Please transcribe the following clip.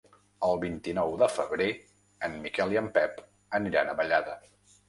El vint-i-nou de febrer en Miquel i en Pep aniran a Vallada.